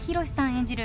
演じる